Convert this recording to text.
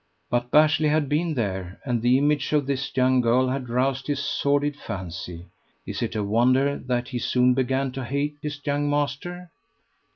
But Bashley had been there, and the image of this young girl had roused his sordid fancy. Is it a wonder that he soon began to hate his young master?